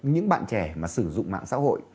những bạn trẻ mà sử dụng mạng xã hội